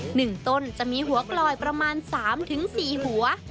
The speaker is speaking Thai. หนึ่งต้นจะมีหัวกลอยประมาณ๓๔หัว